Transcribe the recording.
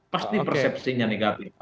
pasti persepsinya negatif